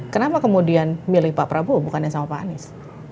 kenapa kemudian milih pak prabowo bukannya sama pak anies